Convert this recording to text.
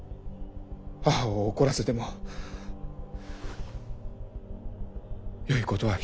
母を怒らせてもよいことは一つもない。